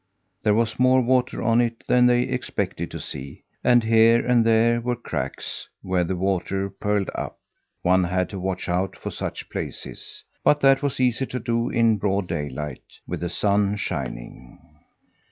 There was more water on it than they expected to see, and here and there were cracks, where the water purled up. One had to watch out for such places; but that was easy to do in broad daylight, with the sun shining.